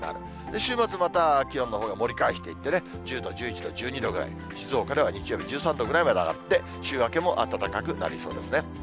週末、また気温のほうが盛り返していってね、１０度、１１度、１２度ぐらい、静岡では日曜日１３度ぐらいまで上がって、週明けも暖かくなりそうですね。